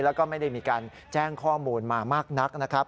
แล้วก็ไม่ได้มีการแจ้งข้อมูลมามากนักนะครับ